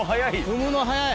くむの速い。